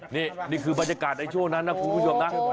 นี่นี่คือบรรยากาศในช่วงนั้นนะคุณผู้ชมนะ